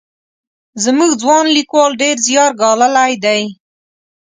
زموږ ځوان لیکوال ډېر زیار ګاللی دی.